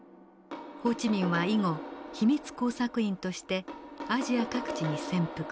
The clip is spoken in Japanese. ホー・チ・ミンは以後秘密工作員としてアジア各地に潜伏。